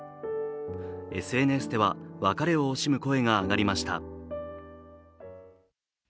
ＳＮＳでは別れを惜しむ声が上がりました。